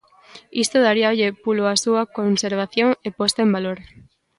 Isto daríalle pulo a súa conservación e posta en valor.